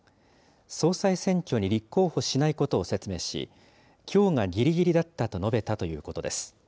総裁選挙に立候補しないことを説明し、きょうがぎりぎりだったと述べたということです。